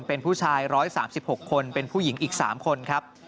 เป็นผู้ชาย๑๓๖คนเป็นผู้หญิงอีก๓คนครับ